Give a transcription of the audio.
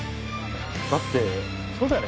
だってそうだよね。